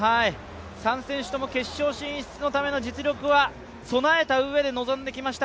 ３選手とも決勝進出のための実力は備えたうえで臨んできました